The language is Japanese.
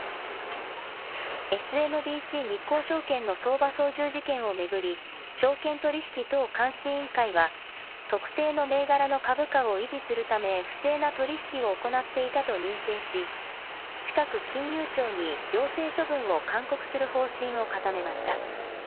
ＳＭＢＣ日興証券の相場操縦事件を巡り、証券取引等監視委員会は、特定の銘柄の株価を維持するため、不正な取り引きを行っていたと認定し、近く金融庁に行政処分を勧告する方針を固めました。